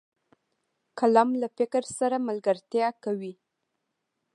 قلم له فکر سره ملګرتیا کوي